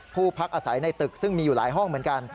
พักอาศัยในตึกซึ่งมีอยู่หลายห้องเหมือนกัน